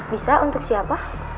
bisa untuk siapa